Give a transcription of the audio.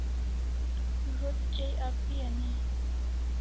Zo't chai ape'an e?